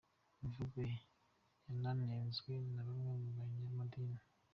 Imvugo ye yananenzwe na bamwe mu banyamadini.